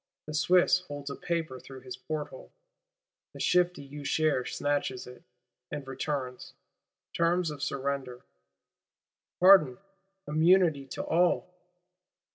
The Swiss holds a paper through his porthole; the shifty Usher snatches it, and returns. Terms of surrender: Pardon, immunity to all!